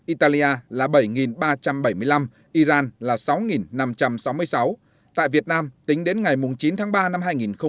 italia là bảy ba trăm bảy mươi năm iran là sáu năm trăm sáu mươi sáu tại việt nam tính đến ngày chín tháng ba năm hai nghìn hai mươi